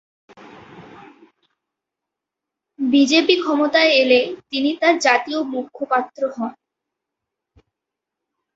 BJP ক্ষমতায় এলে তিনি তার জাতীয় মুখপাত্র হন।